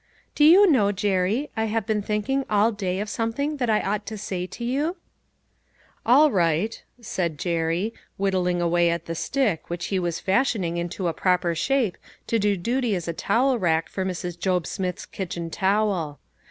" Do you know, Jerry, I have been thinking all day of something that I ought to say to you ?"" All right," said Jerry, whittling away at the stick which he was fashioning into a proper shape to do duty as a towel rack for Mrs. Job Smith's kitchen towel.